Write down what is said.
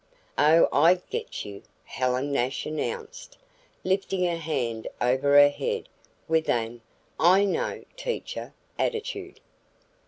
"Oh, I get you," Helen Nash announced, lifting her hand over her head with an "I know, teacher," attitude.